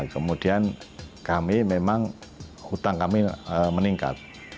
kemudian kami memang hutang kami meningkat